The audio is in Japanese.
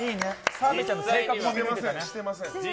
澤部ちゃんの性格も出てるね。